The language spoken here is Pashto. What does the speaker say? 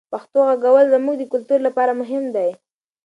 پښتو غږول زموږ د کلتور لپاره مهم دی.